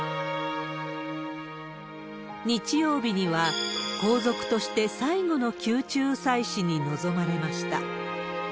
日曜日には、皇族として最後の宮中祭祀に臨まれました。